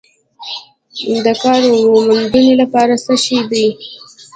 د کار موندنې لپاره څه شوي دي؟